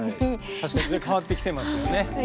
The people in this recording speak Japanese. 確かにね変わってきてますね。